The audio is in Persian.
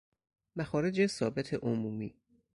مخارج ثابت عمومی